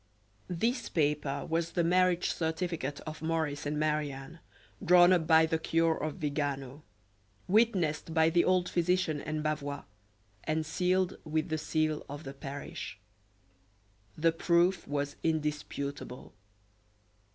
This paper was the marriage certificate of Maurice and Marie Anne, drawn up by the cure of Vigano, witnessed by the old physician and Bavois, and sealed with the seal of the parish. The proof was indisputable.